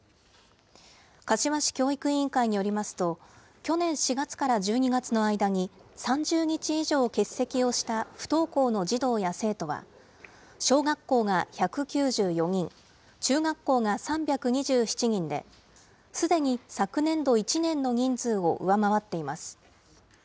柏市教育委員会によりますと、去年４月から１２月の間に、３０日以上欠席をした不登校の児童や生徒は、小学校が１９４人、中学校が３２７人で、すでに昨年度１年の人数を上回っています。